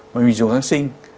mà mình dùng kháng sinh